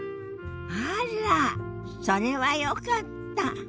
あらっそれはよかった。